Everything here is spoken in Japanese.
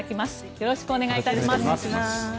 よろしくお願いします。